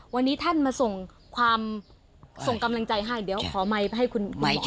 วันนี้ท่านมาส่งความส่งกำลังใจให้เดี๋ยวขอไมค์ให้คุณใหม่